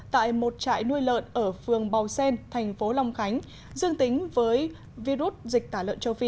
tại một trại nuôi lợn ở phường bào xen thành phố long khánh dương tính với virus dịch tả lợn châu phi